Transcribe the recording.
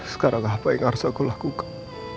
sekarang apa yang harus aku lakukan